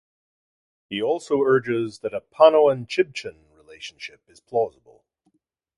He also urges that a Panoan-Chibchan relationship is plausible.